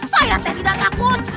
saya teh tidak takut